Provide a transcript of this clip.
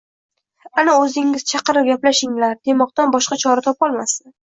Ana o'zingiz chaqirib gaplashinglar, demoqdan boshqa chora topolmasdi.